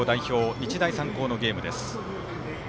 日大三高のゲームです。